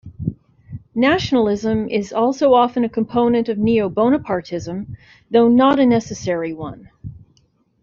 Nationalism is also often a component of neo-Bonapartism, though not a necessary one.